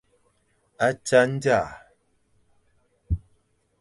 A tsa ndzaʼa.